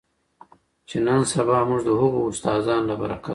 چې نن سبا مونږ د هغو استادانو له برکته